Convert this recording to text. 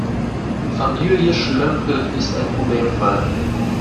Familie Schlömpel ist ein Problemfall.